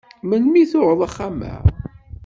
Melmi i tuɣeḍ axxam-a?